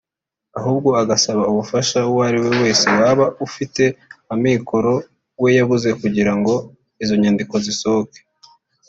ahubwo agasaba ubufasha uwo ari we wese waba ufite amikoro we yabuze kugira ngo izo nyandiko zisohoke